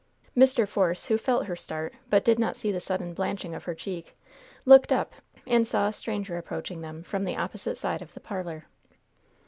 Mr. Force, who felt her start, but did not see the sudden blanching of her cheek, looked up and saw a stranger approaching them from the opposite side of the parlor.